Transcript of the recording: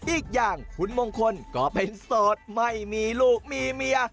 อีกอย่างคุณมงคลก็เป็นโสดไม่มีลูกมีเมีย